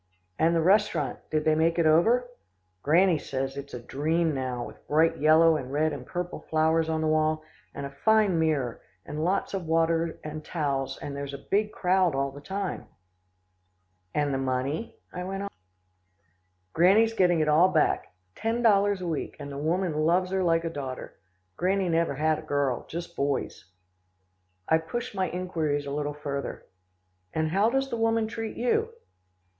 "And the restaurant," I said, "did they make it over?" "Granny says it's a dream now, with bright yellow and red and purple flowers on the wall, and a fine mirror, and lots of water and towels, and there's a big crowd all the time." "And the money?" I went on. "Granny's getting it all back ten dollars a week, and the woman loves her like a daughter. Granny never had a girl, just boys." I pushed my inquiries a little further, "And how does the woman treat you?"